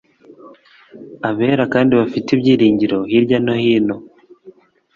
abera kandi bafite ibyiringiro hirya no hino